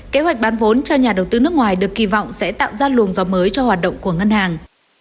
kế hoạch bán vốn cho nhà đầu tư nước ngoài được kỳ vọng sẽ tạo ra luồng gió mới cho hoạt động của ngân hàng